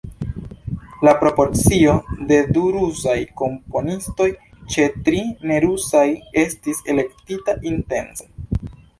La proporcio de du rusaj komponistoj ĉe tri ne-rusaj estis elektita intence.